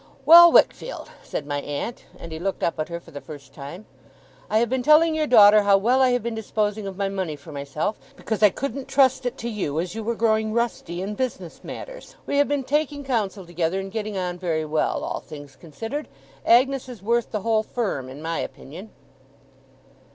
'Well, Wickfield!' said my aunt; and he looked up at her for the first time. 'I have been telling your daughter how well I have been disposing of my money for myself, because I couldn't trust it to you, as you were growing rusty in business matters. We have been taking counsel together, and getting on very well, all things considered. Agnes is worth the whole firm, in my opinion.